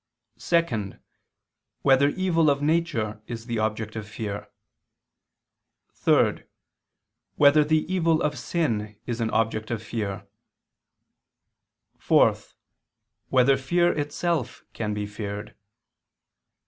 (2) Whether evil of nature is the object of fear? (3) Whether the evil of sin is an object of fear? (4) Whether fear itself can be feared?